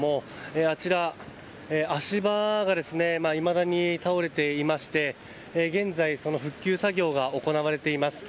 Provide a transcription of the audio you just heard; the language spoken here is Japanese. あちら足場がいまだに倒れていまして現在、復旧作業が行われています。